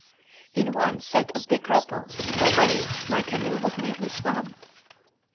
In one set of big ripples or waves my canoe was nearly swamped.